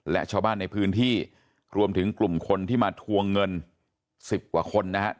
และชาวบ้านในพื้นที่รวมถึงกลุ่มคนที่มาทวงเงิน๑๐กว่าคนนะครับ